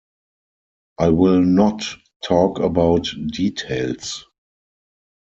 I will not talk about details.